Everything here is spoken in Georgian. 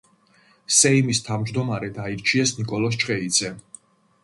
სეიმის თავმჯდომარედ აირჩიეს ნიკოლოზ ჩხეიძე.